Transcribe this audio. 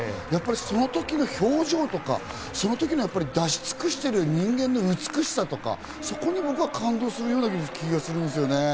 その時の表情とか、その時の出し尽くしている人間の美しさとか、そこに僕は感動するような気がするんですよね。